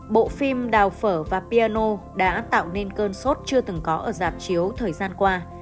bộ phim đào phở và piano đã tạo nên cơn sốt chưa từng có ở dạp chiếu thời gian qua